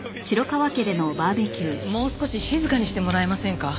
もう少し静かにしてもらえませんか？